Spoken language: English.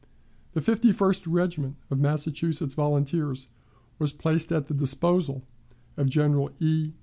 The Fifty first Regiment of Massachusetts Volunteers was placed at the disposal of General E.